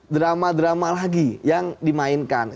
drama drama lagi yang dimainkan